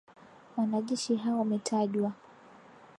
Wanajeshi hao wametajwa